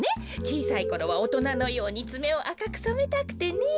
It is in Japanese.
ちいさいころはおとなのようにつめをあかくそめたくてね。